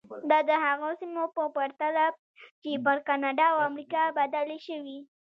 دا د هغو سیمو په پرتله چې پر کاناډا او امریکا بدلې شوې.